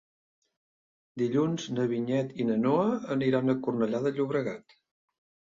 Dilluns na Vinyet i na Noa aniran a Cornellà de Llobregat.